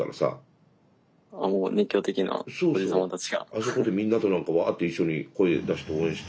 あそこでみんなと何かわっと一緒に声出して応援して。